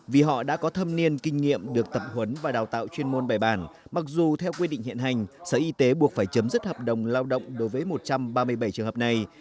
vì họ đã có thâm niên kinh nghiệm được tập huấn và đào tạo chuyên môn bài bản mặc dù theo quy định hiện hành sở y tế buộc phải chấm dứt hợp đồng lao động đối với một trăm ba mươi bảy trường hợp này